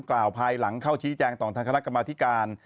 กล่าวภายหลังเข้าชี้แจงต่อทางคณะกรรมธิการ